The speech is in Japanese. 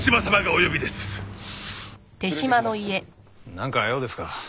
なんか用ですか？